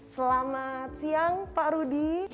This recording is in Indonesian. selamat siang pak rudy